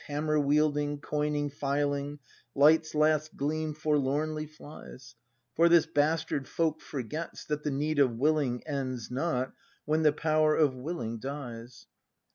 Hammer wielding, coining, filing; Light's last gleam forlornly flies; For this bastard folk forgets That the need of willing ends not When the power of willing dies!